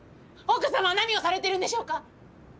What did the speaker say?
奥様は何をされてるんでしょうか！？